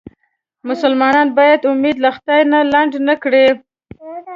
مسلمان باید امید له خدای نه لنډ نه کړي.